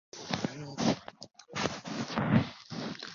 保险费决定于债券发行方的违约风险。